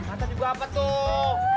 atau juga apa tuh